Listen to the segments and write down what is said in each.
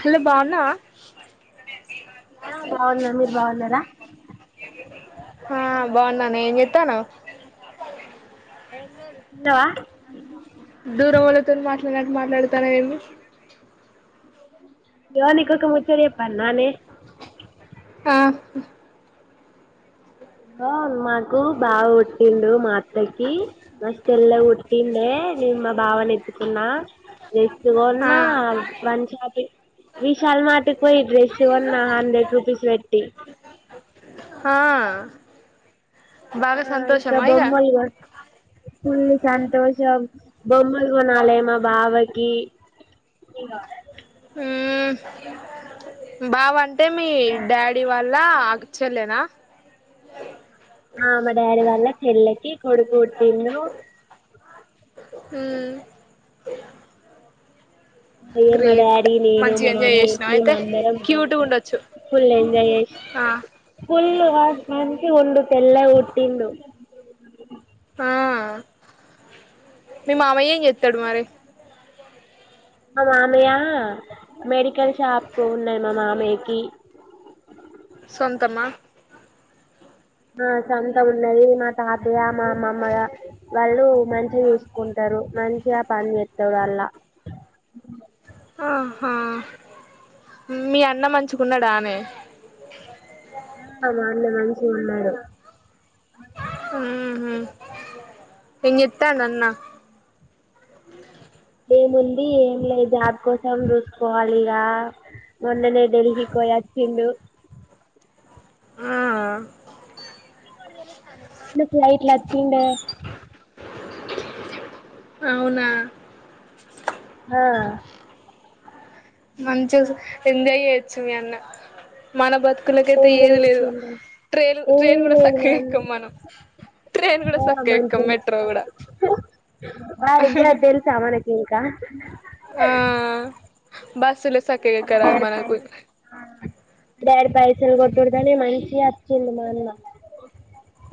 Hello బాన్నావ ఆ బాగున్నా మీరు బాగున్నారా ఆ బాగున్నాను ఏం చెత్తానవ్ ఏం చేల్ తిన్నావా దూరం వోళ్ళతో మాట్లాడినట్ మాట్లాడుతాను ఏమి హలో నీకు ఒక ముచ్చట చెప్పాలనా నే ఆ మాకు బాగా పుట్టిండు మా అత్తకి మస్ తెల్లగ పుట్టిండే నేను మా బావను ఎత్తుకున్నా డ్రెస్ ఆ కొన్న షాపింగ్ విశాల్ మాటికి పోయి డ్రెస్ కొన్న హండ్రెడ్ రూపీస్ పెట్టి ఆ తింటున్నావా ఆ ఆ బాగా ఇంక సంతోషమా ఇగ బొమ్మలుగా ఫుల్ సంతోషం. బొమ్మలు కొన్నాల మా బావకి ఊ బావ అంటే మీ డాడీ వాళ్ హలో చెలేనా కొడుకుపుట్టిండు హూ అయే మా డాడీ నేను మంచిగా మా ఎంజాయ్ మమ్మీ చేసినావు మేము అయితే అందరం క్యూట్గా పోయినాం. ఉండొచ్చు ఫుల్ ఎంజాయ్ చేసి ఆ ఫుల్ వా మంచిగ ఉండు తెల్లగ పుట్టిండు ఆ మీ మామయ్యేం చేత్తాడు మరి మా మామయ్య మెడికల్ షాప్ ఉన్నాయి మా మామయ్య కి సొంతమా ఆ సొంతం ఉన్నది మా తాతయ్య మా అమ్మమ్మగా వాళ్ళు మంచి చూసుకుంటా రు మంచిగా పని చేత్తాడు ఆ అన్న ఆహ మీ అన్న మంచుకున్నాడా ఆనే ఆ మా అన్న మంచిగ ఉన్నడు ఊహు ఏంచేతాండు అన్న ఏముంది ఏం లే జాబ్ కోసం చూసుకోవాలి ఇగ మొన్ననే డెల్లీకిపోయిచ్చిండు ఆ మా ఫ్లైట్ లో అచ్చిండే అవునా ఆ మంచిగ ఎంజాయ్ చేయొచ్చు మీ అన్న మన బతు అక్కులకైతే ఎంజాయ్ ఏది లేదు. చేసిండే ట్రైన్ ఏం ట్రైన్ కూడా లేదు మా సక్కగా అన్న ఎక్కం మనం. ట్రైన్ కూడా సక్క ఎక్కం మెట్రో కూడా ఆ ఇగ్గ తెలుసా మనకి ఇంకా బస్సులో సక్కగా ఎక్కరాదు మనకు డాడ్ పైసలు కొట్డుదనే మంషిగా వచ్చిండు మా అన్న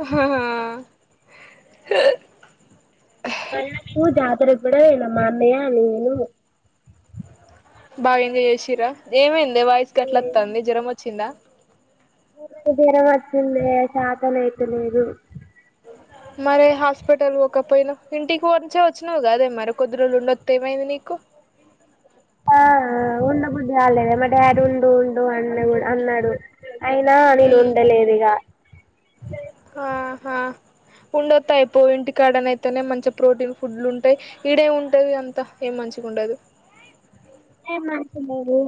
హ హా ఆ మళ్ళ పూ జాతర కూడా వెళ్ళాము మా అన్నయ్య నువ్వు బాగా ఎంజాయ్ చేసిరా ఏమైందే వాయిస్ గట్లా వత్తాంది జ్వరం వచ్చిందా జరం వచ్చిందే శాతన అయిత లేదు ఉ మరి హాస్పిటల్ పోకపోయినా ఇంటికి వచే వచ్చినవు. కదే మరి కొద్ది రోజులు ఉండొత్తే ఏమైంది నీకు. [unintelligible] ఆ ఉండబుద్దు కాలేదే మా డాడీ ఉండు ఉండు అన్నడు కూడా అన్నాడు అయినా నేను నీకు ఉండలేదుగా ఆహా ఉండొతాయిపో ఇంటికాడన అయితేనే మంచి ప్రోటీన్ ఫుడ్లు ఉంటాయి ఈడేమి ఉంటాది అంతా ఏ మంచి గా ఉండదు. ఏ మన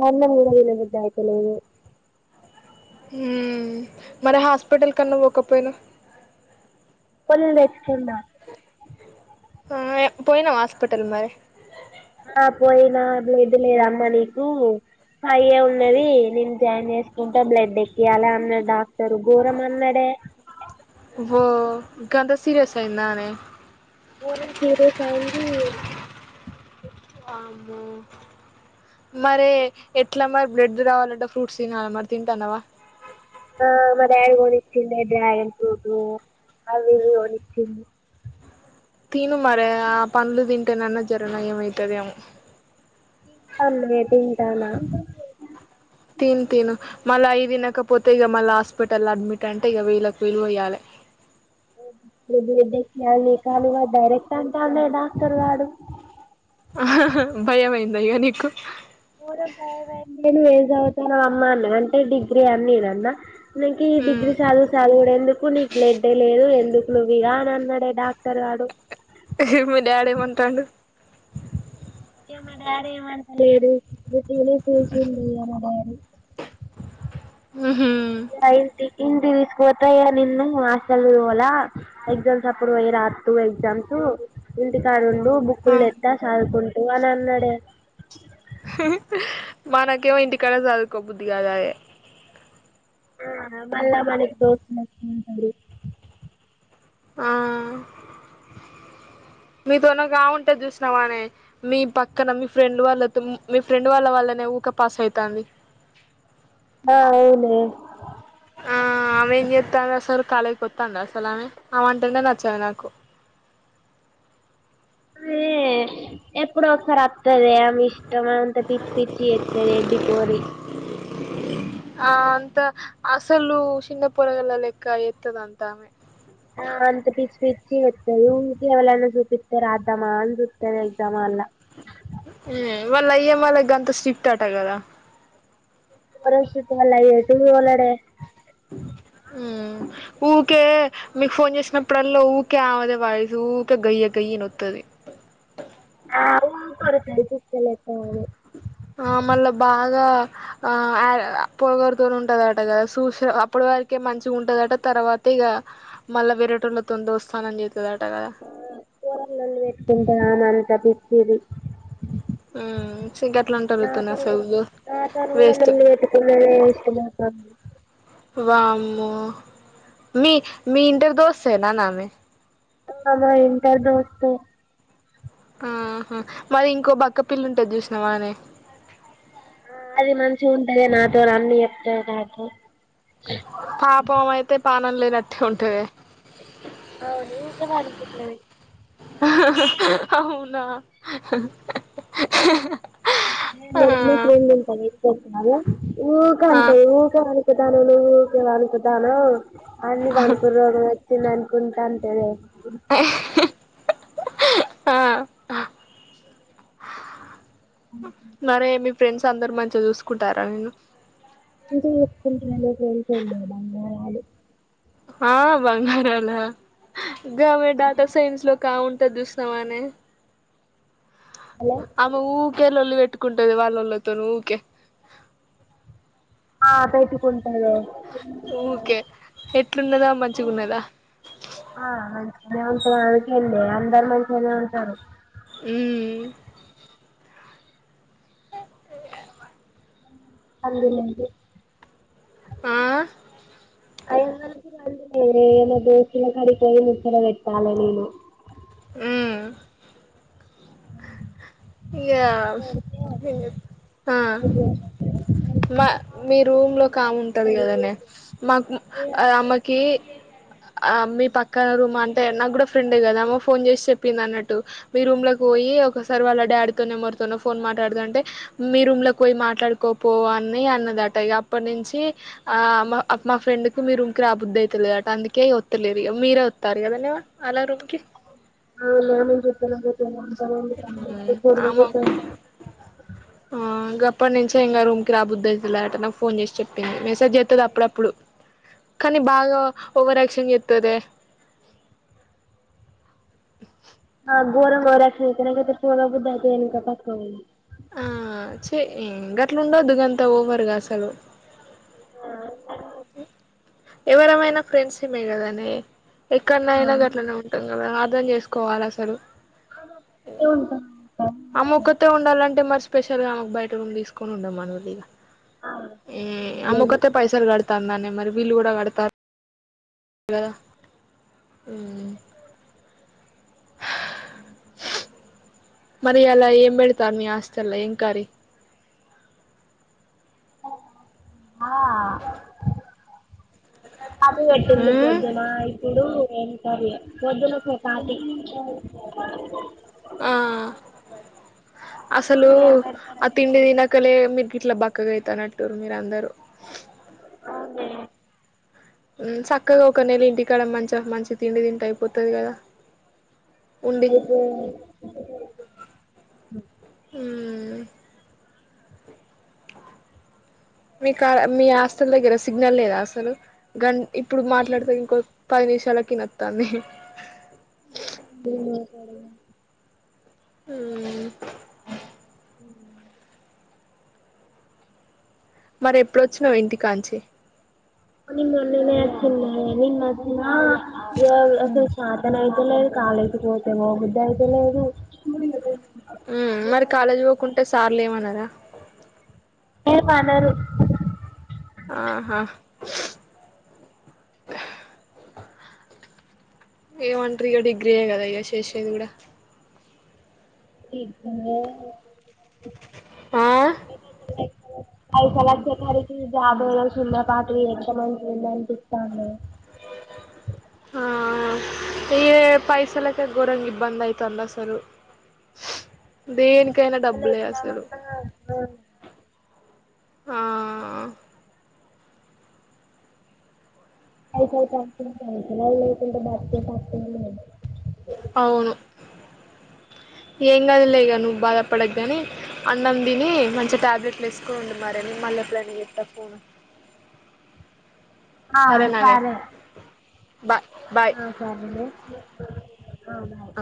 అన్నము కూడా తిన బుద్ధి అయితలేదు. ఉమ్ మరి హాస్పిటల్ కన్నా పోకపోయినావు తెచ్చుకున్న ఆ పోయినావా హాస్పిటల్ మరి ఆ పోయినా బ్లడ్ లేదు అమ్మా నీకు అయే ఉన్నది నేను జాయిన్ చేసుకుంటే బ్లడ్ ఎక్కయాలి అన్న డాక్టర్ గోరం ఆనాడే ఓ గంత సిరియాస్ అయిందనే ఘోరంగా సీరియస్ అయింది. ఆమో మరి ఎట్లా మరి బ్లెడ్ రావాలంటే ఫ్రూట్స్ తినాలి మరి తింటానవా ఆ మా డాడీ కొనిచ్చిండే డ్రగన్ ఫ్రూట్ అవివి కొనిచ్చిండు. తిను మరే ఆ పండ్లు తింటేనన్నా జర నయం అయితదేమో. అన్నమే తింటాన్న తిను తిను మళ్ళీ అయి తినకపోతే ఇక మళ్ళా హాస్పిటల్ అడ్మిట్ అంటే ఇక వేలుకి వేలు పోయ్యాలే బ్లడ్ ఎకియలె నిక్ అని డైరెక్ట్ అంటన్డే డాక్టర్ గాడు భయామైంద ఇక నీకు గోరం భయము అయింది నువ్వు ఏం చదువుతనవు అమ్మ అని అంటే డిగ్రీ అన్నినన్నా నికి డిగ్రీ చదువు చదువుడేందుకు నీకు బ్లడ్య లేదు చదుకులుగా అన్నడే డాక్టర్ గాడు మీ డాడే మంటాడు ఇగ మా డాడీ ఏం అంట లేడు [unintelligible] అ ఆహ ఇంటికి తీసుకుతయ్యా నిన్ను హాస్టల్ తోల ఎగ్జామ్స్ అప్రూవ్ అయ్యి రాద్ ఎగ్జామ్స్ ఇంటికాడుండు ఆ బుక్కులు లేద్దా చదుకుంటూ అని అన్నాడే మా నాకేమో ఇంటి కడ చదుకో బుద్ధగాదదే మళ్ళా మనకి దోస్తూలు ఉంటారు. ఆ మీతోన కామే ఉంటేది చూసినావా అనే మీ పక్కన మీ ఫ్రెండ్ వాళ్ళతో మీ ఫ్రెండ్ వాళ్ళ వాళ్ళ ఊకే పాస్ అయితాంది ఆ అవునే ఆ ఆ ఆమె ఏం చేతంది అసలు కాలేజీ కొస్తా అండి అసలు ఆమె అమె అంటంనే నచ్చాది నాకు ఏ ఎప్పుడో ఒకసారి స్తలేేమ్ ఇష్టమంత పిచ్చి పిచ్చి చేతదే ఏడ్డిపోరి ఆ అంత అసలు చిన్న పొరగాల్ల లేక్క చేత్తది అంతమమె ఆ అంత పిచ్చి పిచ్చి ఎస్తది ఇవకివళనా చూపి ఇతారు అదమ్మా అంద అ ఎగ్జామ్ హాల్ల వాళ్ళ అయ్య మళ్ళ గంత స్ట్రిక్ట్ ఆట్గదా వాళ్ళ అయ్యా స్ట్రిక్ట్ ఎటు తోలడే ఉం ఊరికే మీకు ఫోన్ చేసినప్పుడల్లా ఊరికే ఆమెద వాయిసు ఊకే గయ్య గయ్యి ఇనోత్తది ఆ ఊ తడి పూల ఎ [inaudible] ఆ మళ్ళా బాగా ఆ పోగొరుతూనే ఉంటది అట కదా చూస అప్పుడు వారికే మంచిగా ఉంటదట తర్వాత ఇగా మళ్ళ వేరేటోళ్లతోని దోస్తాన్ అని జే ఆ ఘోరంగా లొల్లి పెట్టుకుంటది ఆమె అంత పిచ్చిది హ్మ్మ్ నా తను కూడా నా తను కూడా వేస్ట్ లొల్లి పెట్టుకున్నాడు వెస్ట్ మొకం వామ్మో మీ మీ ఇంటర్ దోస్తనా నామ ఆమ ఇంటర్ దోస్తు ఆహా మరి ఇంకో బక్కపిల్ల ఉంటది చూసినా వానే అది మంచిగా ఉంటదే నాతో నన్ని చెప్తాది నాతో పాపం ఆమె అయితే పానం లేనట్టే ఉంటుంది అవును ఊక వానికుట్లది అవునా ఆ ఉంటా ఊక ఆ అంటా ఊకా తానవనుకు తాను అన్ని వణుకుడు రోగం తెనవెంకౌంట అంతేలే ఆ మరే మీ ఫ్రెండ్స్ అందరుూ మంచిగా చూసుకుంటారా నిన్ను ఎందుకుంట కేకదదు [inaudible] హా బంగారాల గమె టా సైన్స్ లో కా ఉంటది చూసినావానే హలో ఆమె ఊకే లోల్లి పెట్టుకుంటది వాళ్ళళతోనీ ఊకే ఆ తెచ్చ కు ఊకే ఎట్లున్నదా మంచిగున్నదా ఆ ఆ అ ఉంటారు అందుకేంది అందరు మంచిగానే ఉంటారు హ్మ్మ్ అందు నండి ఆ అయ ర దోసలో క అడిపోయి ముచ్చట వెట్టాల నేను హ్మ్మ్ ఇగా నేను ఆ మా మీ రూమ్ లో కామ ఉంటది కదనే పెడితే మాకు ఏ ఆమెకి అ ఆ మీ పక్కన రూమ్ అంటే నాకు కూడా ఫ్రెండే కదా ఆమె ఫోన్ చేసి చెప్పింది అన్నట్టు మీ రూమ్ లోకి పోయి ఒకసారి వాళ్ళ డాడీతోనేె మరితో ఫోన్ మాట్లాడదంటే మీ రూమ్ లో పోయి మాట్లాడుకోపో అని అన్నదట అప్పటి నుంచి ఆ మా ఫ్రెండ్ కు మీ రూమ్ కి రాబుద్దిి అయితులేదట అందుకే ఒత్త్తలేరు ఇగ మీరు గుత్త అదన్న అలా రూంకి ఆ నాం జతన గతే అంత క [inaudible] ఆమ ఆ గా అప్పటి నుంచే ఇంకా రూమ్ కకి రాబద్దుఅయితలేదు ఆట నాకు ఫోన్ చేసి చెప్పింది మెసేజ్ జెట్టది అప్పుడప్పుడు కానీ బాగా ఓవర్ యాక్షన్ చెత్తదే ఆ గోరంగ ఓవర్ యాక్షన్ చెత్తది నాకైతే పొరబుద్ది అయితది ఎక్కి తక్కో ఆ చి గట్ల ఉండద్దు గంతా ఓవరుగా అసలు అ ఎవరేమైనా ఫ్రెండ్స్మే గాదనే ఎక్కడనయినా గట్లనే ఊకే ఉంటాం కదా అర్థం చేసుకోవాలి అసలు ఉంటా అమ్మొక్కతే ఉండాలంటే మరి స్పెషల్ గా ఆమెకు బయట రూమ్ తీసుకొని ఉండం మనురిగా ఆ ఏ ఆమో కతే పైసలు కడుతం దానే మరి వీళ్ళు కూడా కడతారు గదా ఉమ్ మరి ఇయలా ఏం పెడతారు మీ హాస్టళ్ల ఏం కర్రి ఆ చపాతి వెట్టిల్లు ఉమ్ పొద్దున ఇప్పుడు ఏ కర్రి గా పొద్దున చపాతీ ఆ అసలు ఏం పెడతారో ఆ ఏం తిండి తినకలే మీరుకి ఇట్లా బక్కగా అైతానట్టుారు మీరు అందరుూ అవునే సక్కగా ఒక నెల ఇంటి కాడ మంచిగా మంచి తిండి తింటే అయిపోతది కదా ఉండి ఇంగైతే ఉ మీ కడ మీ హాస్టల్ దగ్గర సిగ్నల్ లేదా అసలు గం ఇప్పుడు మాట్లాడుతే ఇంకో పది నిమిషాలకి వినతంది అవున సరే ఉ అ మరి ఎప్పుడొచ్చినావు ఇంటి కాంచి ని మొన్ననే అచిన్నె నిన్న వచ్చిన ఈరోజు అసలు శాతన అయితలేదు కాలు బయటికి పోతే పోబుద్ధైతలేదు ఉ మరి కాలేజీ పోకుంటే సార్లేమనరా ఏం మనరు ఆహా ఏమంటారు ఇగ డిగ్రీయే కదా ఇగా శేషేది కూడా చెకింగే ఆ అ పైసలచ్చేసరికి జాబ్లా కలిసివున్న పాతవి ఎంత మంచిగుండే అనిపితందే హ ఇగే పైసలకే గోరంగ ఇబ్బందయితంది అసలు దేనికైనా మళ్ళ డబ్బులే అసలు విందామన్నా ఆ అయితే కంపినీ పైసలే లేకుంటే బతికేతట్టే లేదు అవును ఏం కాదులే ఇగా నువ్వు బాధపడకు గాని అన్నం తిని మంచి టాబ్లెట్లు వేసుకోండు మరిని మల్లెపుడన్నా చెత్త ఫోన్ ఆ సరే బాయ్ ఆ సరేనే ఆ బాయ్